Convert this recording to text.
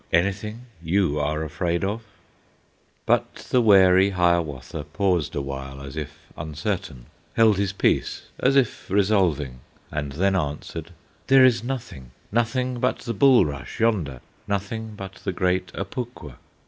Anything you are afraid of?" But the wary Hiawatha Paused awhile, as if uncertain, Held his peace, as if resolving, And then answered, "There is nothing, Nothing but the bulrush yonder, Nothing but the great Apukwa!"